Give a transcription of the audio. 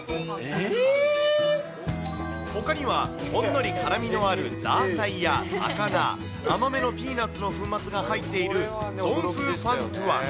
えー？ほかには、ほんのり辛みのあるザーサイや高菜、甘めのピーナツの粉末が入っている、ゾンフーファントゥアン。